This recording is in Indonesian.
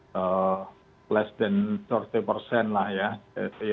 kapal kita kita punya sekian banyak kapal tetapi yang layak kira kira ya